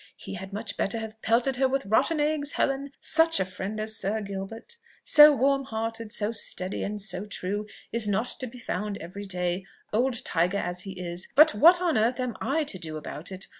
He had much better have pelted her with rotten eggs, Helen! Such a friend as Sir Gilbert, so warm hearted, so steady, and so true, is not to be found every day old tiger as he is. But what on earth am I to do about it?